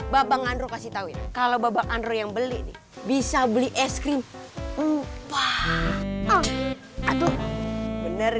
babang andro kasih tahu kalau babang andro yang beli bisa beli es krim empat aduh bener